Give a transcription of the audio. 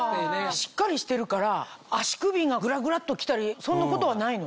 しっかりしてるから足首がグラグラっと来たりそんなことはないの。